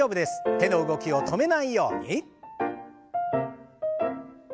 手の動きを止めないように。